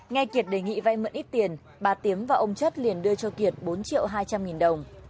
nghe kiệt đề nghị vay mượn ít tiền bà tiến và ông chất liền đưa cho kiệt bốn triệu hai trăm linh nghìn đồng